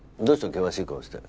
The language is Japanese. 険しい顔して。